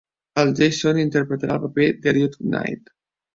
El Jason interpretarà el paper d'Elliot Knight.